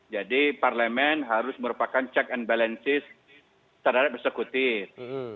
jadi parlemen harus merupakan check and balances secara bersekutif